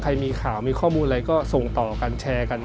มีข่าวมีข้อมูลอะไรก็ส่งต่อกันแชร์กัน